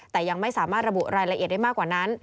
แต่ยังไม่สามารถระบุรายละเอียดได้มากกว่านั้น